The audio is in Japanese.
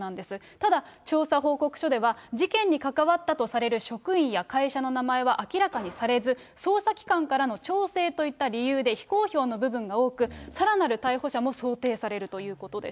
ただ、調査報告書では、事件に関わったとされる職員や会社の名前は明らかにされず、捜査機関からの調整といった理由で、非公表の部分が多く、さらなる逮捕者も想定されるということです。